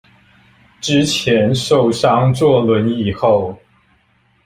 之前受傷坐輪椅後